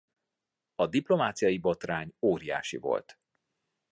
A diplomáciai botrány óriási volt.